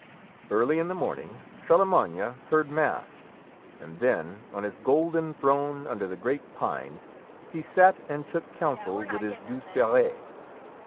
Early in the morning Charlemagne heard mass, and then, on his golden throne under the great pine, he sat and took counsel with his Douzeperes.